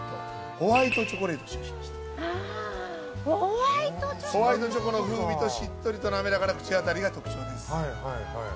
ホワイトチョコの風味としっとりとなめらかな口当たりが特徴です。